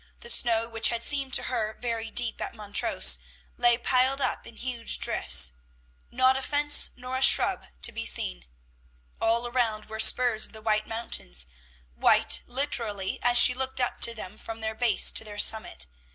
The snow, which had seemed to her very deep at Montrose, lay piled up in huge drifts, not a fence nor a shrub to be seen. All around were spurs of the White Mountains, white, literally, as she looked up to them, from their base to their summit.